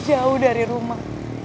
jauh dari rumah